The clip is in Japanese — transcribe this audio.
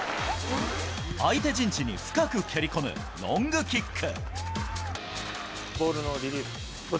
相手陣地に深く蹴り込むロングキック。